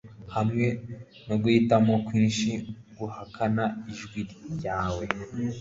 hamwe no guhitamo kwinshi guhakana ijwi ryawe